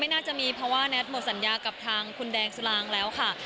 น่าจะมีเพราะว่าแท็ตหมดสัญญากับทางคุณแดงสุรางแล้วค่ะ